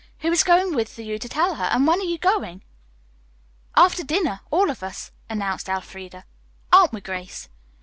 Who is going with you to tell her, and when are you going?" "After dinner, all of us," announced Elfreda. "Aren't we, Grace?"